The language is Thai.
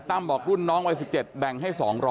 บอกรุ่นน้องวัย๑๗แบ่งให้๒๐๐